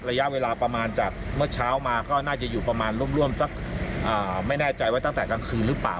ระยะเวลาประมาณจากเมื่อเช้ามาก็น่าจะอยู่ประมาณร่วมสักไม่แน่ใจว่าตั้งแต่กลางคืนหรือเปล่า